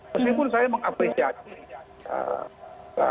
meskipun saya mengapresiasi